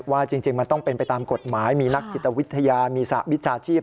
จริงมันต้องเป็นไปตามกฎหมายมีนักจิตวิทยามีสหวิชาชีพ